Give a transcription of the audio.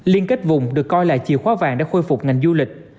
liên kết vùng được coi là chiều khóa vàng để khôi phục ngành du lịch